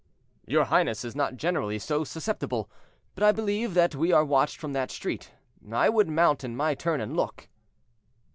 "Your highness is not generally so susceptible, and but that I believe that we are watched from that street, I would mount in my turn and look."